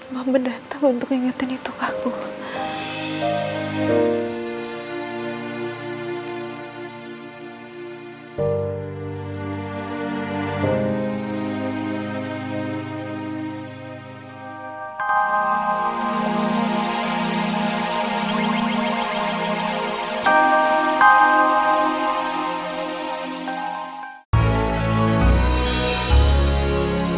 mama beneran datang untuk ngingetin itu kakak